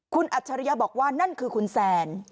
คุณอัจฉริยะบอกว่านั่นคือคุณแซน